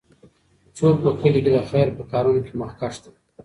څوک په کلي کې د خیر په کارونو کې مخکښ دی؟